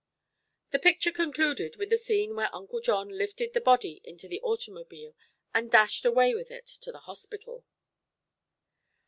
The picture concluded with the scene where Uncle John lifted the body into the automobile and dashed away with it to the hospital.